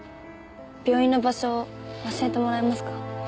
病院の場所教えてもらえますか？